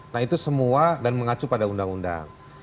nah itu semua dan mengacu pada undang undang